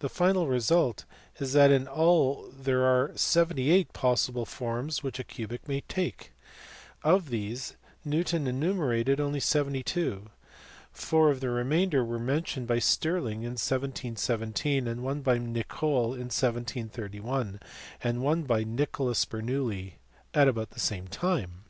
The final result is that in all there are seventy eight possible forms which a cubic may take. Of these Newton enumerated only seventy two ; four of the re mainder were mentioned by Stirling in 1717, one by Nicole in 1731, and one by Nicholas Bernoulli about the same time.